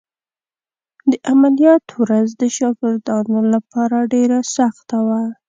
د عملیات ورځ د شاګردانو لپاره ډېره سخته وه.